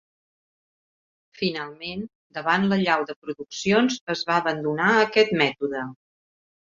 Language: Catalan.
Finalment, davant l'allau de produccions es va abandonar aquest mètode.